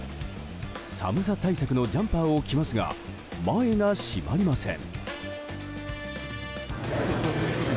寒さ対策のジャンパーを着ますが前が閉まりません。